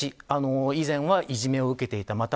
以前はいじめを受けていた。